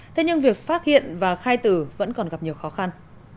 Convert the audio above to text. thế nhưng việc phát hiện và khai tử vẫn còn gặp nhiều khó khăn